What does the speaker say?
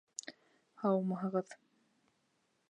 Һаумыһығыҙ.